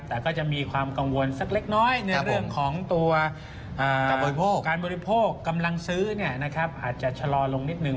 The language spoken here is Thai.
แต่ก็จะมีความกังวลสักเล็กน้อยในเรื่องของตัวการบริโภคกำลังซื้ออาจจะชะลอลงนิดนึ